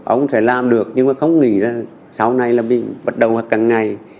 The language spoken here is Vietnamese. ông sẽ làm được nhưng mà không nghĩ rằng sau này là mình bắt đầu hoặc càng ngày